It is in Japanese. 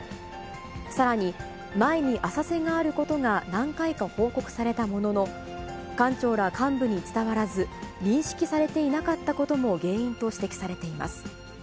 さらに、前に浅瀬があることが何回か報告されたものの、艦長ら幹部に伝わらず、認識されていなかったことも原因と指摘されています。